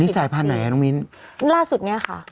อันนี้สายพันธุ์ไหนอะน้องมิ้นล่าสุดนี้ค่ะ